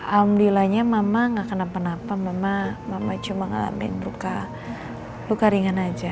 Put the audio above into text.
alhamdulillah nya mama nggak kenapa napa mama cuma ngalamin luka luka ringan aja